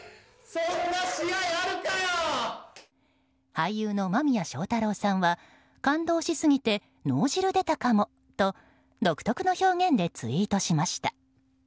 俳優の間宮祥太朗さんは感動しすぎて「脳汁出たかも」と独特な表現でツイートしました。